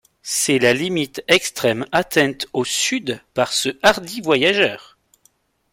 C’est la limite extrême atteinte au sud par ce hardi voyageur.